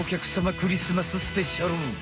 クリスマススペシャル。